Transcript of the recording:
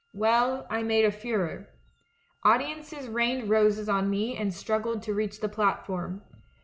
'"Well, I made a furore. Audiences rained roses on me and struggled to reach the platform.